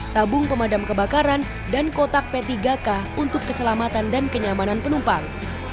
tabung pemadam kebakaran dan kotak p tiga k untuk keselamatan dan kenyamanan penumpang